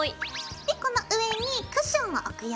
でこの上にクッションを置くよ。